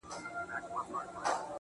لكه سپوږمۍ چي ترنده ونيسي,